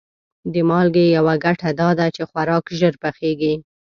د مالګې یوه ګټه دا ده چې خوراک ژر پخیږي.